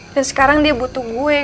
dan sekarang dia butuh gue